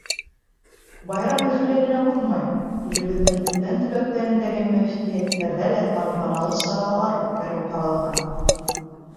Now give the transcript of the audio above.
Байрам Өфөлә генә уҙмай, илебеҙҙең бүтән төбәктәрендәге мөфтиәттәрҙә лә тантаналы саралар үткәреү ҡаралған.